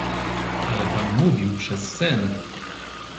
"„Ale pan mówił przez sen."